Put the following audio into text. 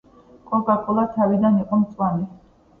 კოკა-კოლა თავიდან იყო მწვანე